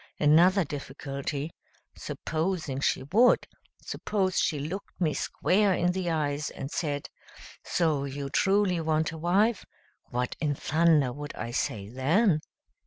Another difficulty: Supposing she would; suppose she looked me square in the eyes and said, 'So you truly want a wife?' what in thunder would I say then?